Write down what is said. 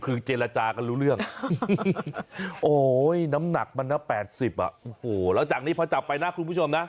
คือเจรจากันรู้เรื่องโอ้ยน้ำหนักมันนะ๘๐อ่ะโอ้โหแล้วจากนี้พอจับไปนะคุณผู้ชมนะ